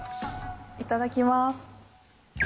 いただきます。